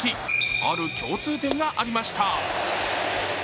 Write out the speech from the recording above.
ある共通点がありました。